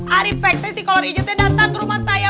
arifek teh si kolor ijo datang ke rumah saya